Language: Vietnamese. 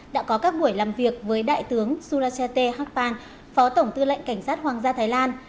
đã có các buổi làm việc với đại tướng surajate hakpan phó tổng tư lệnh cảnh sát hoàng gia thái lan